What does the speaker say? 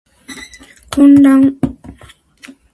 混乱